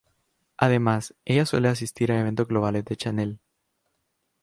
Además, ella suele asistir a eventos globales de Chanel.